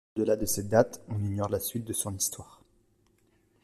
Au-delà de cette date, on ignore la suite de son histoire.